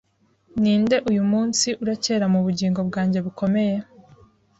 Ninde uyumunsi uracyera mubugingo bwanjye bukomeye